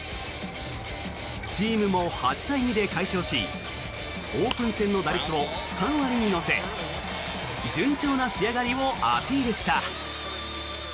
チームも８対２で快勝しオープン戦の打率を３割に乗せ順調な仕上がりをアピールした。